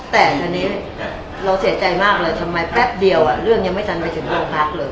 แต่ทีนี้เราเสียใจมากเลยทำไมแป๊บเดียวเรื่องยังไม่ทันไปถึงโรงพักเลย